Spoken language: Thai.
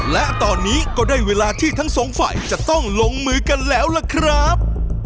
และตอนนี้ก็ได้เวลาที่ทั้งสองฝ่ายจะต้องลงมือกันแล้วล่ะครับ